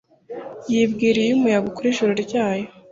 Yibwira iyo umuyaga ukora ijoro ryayo